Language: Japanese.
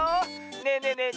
ねえねえねえ